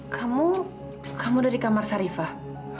kamu kamu udah di kamar sarifa